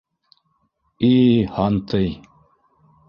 И... һантый!